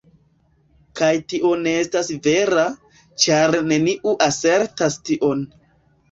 Kaj tio ne estas vera, ĉar neniu asertas tion.